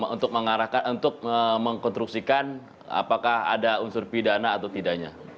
untuk mengarahkan untuk mengkonstruksikan apakah ada unsur pidana atau tidaknya